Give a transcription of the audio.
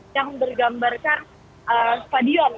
yang bergambarkan stadion